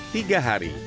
sekitar tiga hari